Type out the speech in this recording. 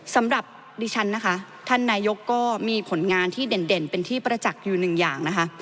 สำหรับดิฉันนะคะท่านนายกก็มีผลงานที่เด่นเป็นที่ประจักษ์อยู่หนึ่งอย่างนะคะ